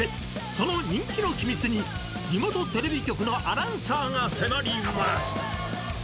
その人気の秘密に地元テレビ局のアナウンサーが迫ります。